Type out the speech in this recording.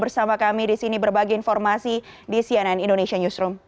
bersama kami di sini berbagi informasi di cnn indonesia newsroom